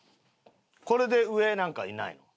これで上なんかいないの？